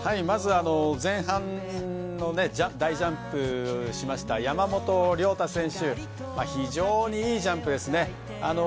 まず前半、大ジャンプしました山本涼太選手は非常にいいジャンプでしたね。